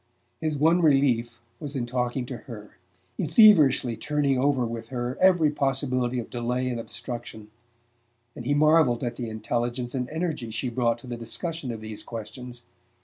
His one relief was in talking to her, in feverishly turning over with her every possibility of delay and obstruction; and he marvelled at the intelligence and energy she brought to the discussion of these questions.